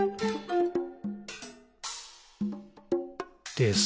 「です。」